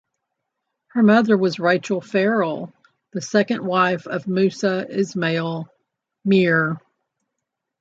Her mother was Rachel Farrell, the second wife of Moosa Ismail Meer.